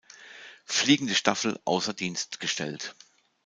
Fliegende Staffel außer Dienst gestellt.